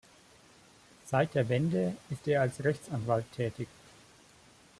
Seit der Wende ist er als Rechtsanwalt tätig.